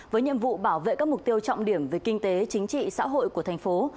với nhiệm vụ bảo vệ các mục tiêu trọng điểm về kinh tế chính trị xã hội của thành phố